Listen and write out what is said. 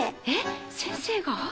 えっ先生が？